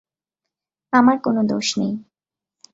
আমার কোনো দোষ নেই!